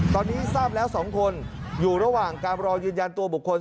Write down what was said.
ตอนนี้ทราบแล้ว๒คนอยู่ระหว่างการรอยืนยันตัวบุคคล